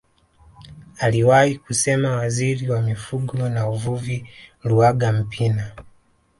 Aliwahi kusema waziri wa mifugo na uvuvi Luaga Mpina